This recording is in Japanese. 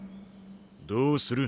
どうする？